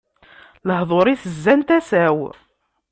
Lehduṛ-is zzan tasa-w.